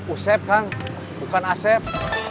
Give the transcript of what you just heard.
asep kan bukan asep